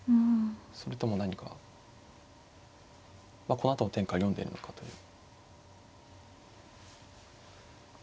それとも何かまあこのあとの展開読んでるのかという。